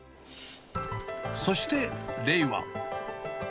そして令和。